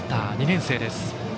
２年生です。